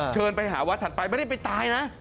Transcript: เชิญไปหาวัดถัดไปไม่ได้ไปตายนะ